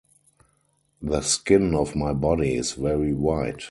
The skin of my body is very white.